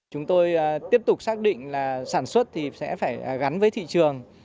chúng tôi tiếp tục xác định là sản xuất thì sẽ phải gắn với thị trường